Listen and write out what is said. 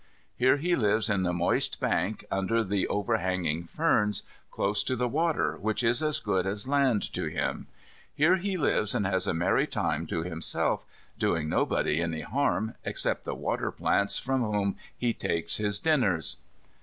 Here he lives in the moist bank under the over hanging ferns, close to the water which is as good as land to him. Here he lives and has a merry time to himself, doing nobody any harm, except the waterplants, from whom he takes his dinners.